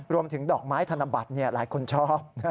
ดอกไม้ธนบัตรหลายคนชอบ